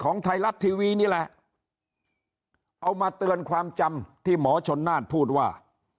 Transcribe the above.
ไทยรัฐทีวีนี่แหละเอามาเตือนความจำที่หมอชนน่านพูดว่า